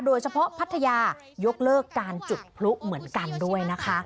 พัทยายกเลิกการจุดพลุเหมือนกันด้วยนะคะ